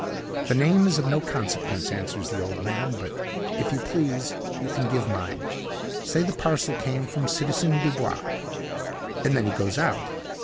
"'The name is of no consequence,' answers the old man; 'but if you please, you can give mine. Say the parcel came from Citizen Dubois;' and then he goes out.